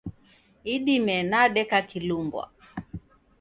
Idime nadeka kilumbwa.